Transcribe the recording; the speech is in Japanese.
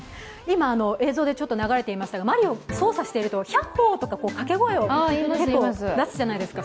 今、映像で流れていましたがマリオが操作するとヒャッホー！とか掛け声を出すじゃないですか。